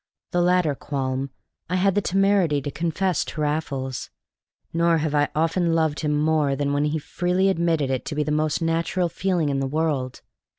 The latter qualm I had the temerity to confess to Raffles; nor have I often loved him more than when he freely admitted it to be the most natural feeling in the world.